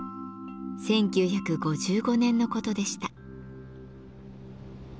１９５５年のことでした。